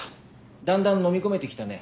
だんだん飲み込めてきたね。